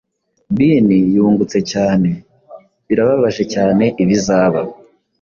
Been yungutse cyane birababaje cyane ibizaba